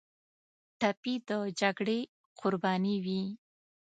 ټپي د جګړې قرباني وي.